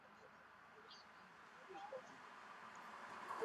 Mwe lyo edduuka mulimu bazungu bwoka.